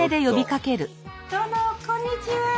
どうもこんにちは。